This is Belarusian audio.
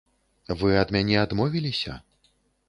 Вы ад мяне адмовіліся?